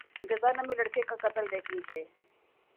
انتظار نامی لڑکے کا قتل دیکھ لیجیے۔